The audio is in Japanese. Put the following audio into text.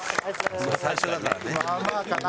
最初だからね。